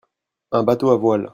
Un bâteau à voile.